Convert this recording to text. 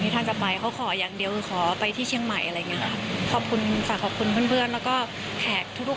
ท่านจะไปก็ขออย่างเดียวขอไปที่เชียงใหม่อะไรงานขอบคุณฝากขอบคุณเพื่อนแล้วก็แขกทุกคน